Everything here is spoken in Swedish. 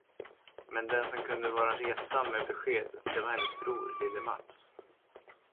Men den, som kunde vara retsam med besked, det var hennes bror, lille Mats.